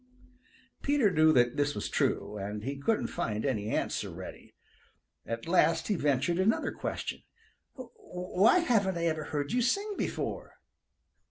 Peter knew that this was true, and he couldn't find any answer ready. At last he ventured another question. "Why haven't I ever heard you sing before?"